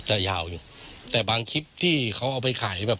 แต่ยาวอยู่แต่บางคลิปที่เขาเอาไปขายแบบ